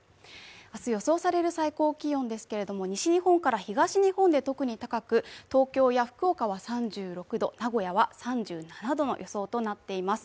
明日予想される最高気温ですけれども西日本から東日本で特に高く、東京や福岡では３６度、名古屋は３７度の予想となっています。